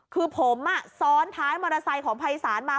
คือผมซ้อนท้ายมอเตอร์ไซค์ของภัยศาลมา